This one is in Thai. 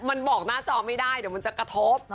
มันบอกหน้าจอไม่ได้เดี๋ยวมันจะกระทบ